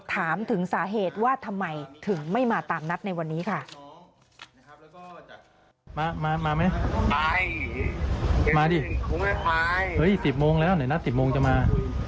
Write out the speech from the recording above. ถามถึงสาเหตุว่าทำไมถึงไม่มาตามนัดในวันนี้ค่ะ